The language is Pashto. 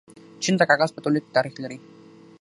چین د کاغذ په تولید کې تاریخ لري.